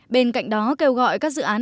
bên cạnh đó kêu gọi các dự án